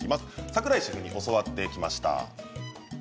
桜井シェフに教わってきました。